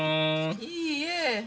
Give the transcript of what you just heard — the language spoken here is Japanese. いいえ。